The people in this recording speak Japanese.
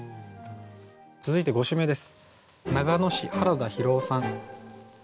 続いて５首目です。